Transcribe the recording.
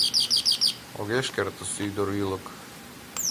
Огеш кертыс ӱдыр ӱлык